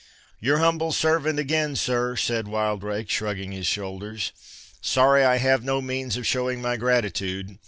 "Your humble servant again, sir," said Wildrake, shrugging his shoulders,—"sorry I have no means of showing my gratitude.